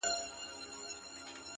ستا وه ديدن ته هواداره يمه”